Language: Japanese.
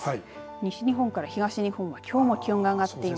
西日本から東日本はきょうも気温が上がっています。